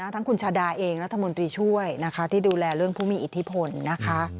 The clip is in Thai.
ทั้งคุณชาดาเองรัฐมนตรีช่วยนะคะที่ดูแลเรื่องผู้มีอิทธิพลนะคะ